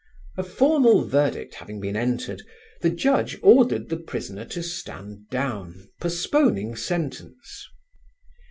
A formal verdict having been entered, the judge ordered the prisoner to stand down, postponing sentence.